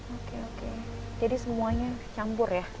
oke oke jadi semuanya campur ya